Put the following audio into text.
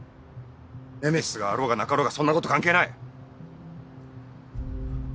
ネメシスがあろうがなかろうがそんなこと関係ない。